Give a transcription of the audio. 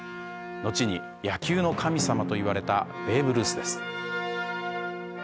のちに野球の神様といわれたベーブ・ルースです。